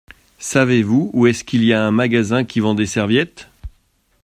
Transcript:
Savez-vous où est-ce qu’il y a un magasin qui vend des serviettes ?